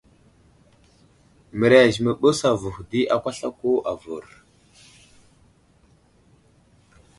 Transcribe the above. Mərez i məɓəs avuhw di akwaslako avər.